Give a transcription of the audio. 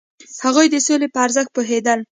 هغوی د سولې په ارزښت پوهیدل.